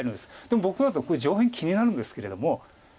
でも僕だと上辺気になるんですけれども。